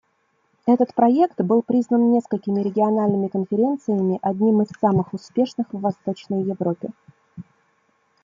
Этот проект был признан несколькими региональными конференциями одним из самых успешных в Восточной Европе.